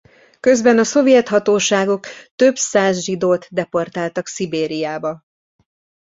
Közben a szovjet hatóságok több száz zsidót deportáltak Szibériába.